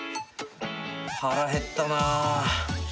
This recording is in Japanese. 腹減ったな。